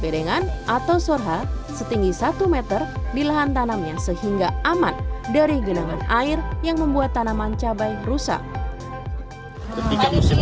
docokan tanam yang sehingga aman dari genangan air fen jangan buat tanaman cabai rusak ketiga musim